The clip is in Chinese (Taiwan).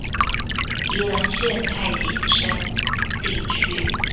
宜蘭縣太平山地區